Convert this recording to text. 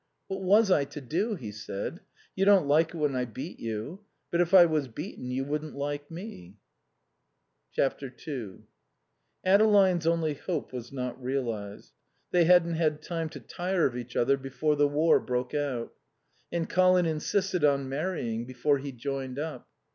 "What was I to do?" he said. "You don't like it when I beat you. But if I was beaten you wouldn't like me." ii Adeline's only hope was not realized. They hadn't had time to tire of each other before the War broke out. And Colin insisted on marrying before he joined up.